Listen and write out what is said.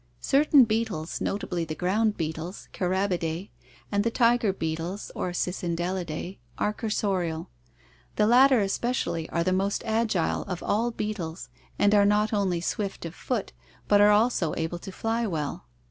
Certain beetles, notably the ground beetles, Carabidae, and the tiger beetles or Cicindelidae, are cursorial. The latter especially are the most agile of all beetles and are not only swift of foot, but are also able to fly well.